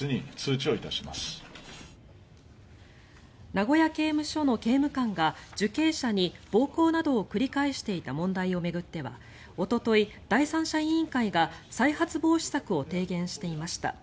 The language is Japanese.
名古屋刑務所の刑務官が受刑者に暴行などを繰り返していた問題を巡ってはおととい、第三者委員会が再発防止策を提言していました。